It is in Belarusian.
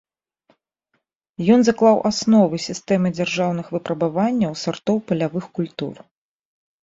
Ён заклаў асновы сістэмы дзяржаўных выпрабаванняў сартоў палявых культур.